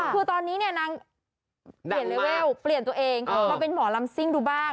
คือตอนนี้เนี่ยนางเปลี่ยนเลเวลเปลี่ยนตัวเองมาเป็นหมอลำซิ่งดูบ้าง